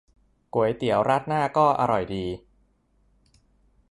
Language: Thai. ก๋วยเตี๋ยวราดหน้าก็อร่อยดี